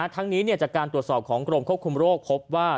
ทั้งนี้จากการตรวจสอบของกรมควบคุมโรคพบว่า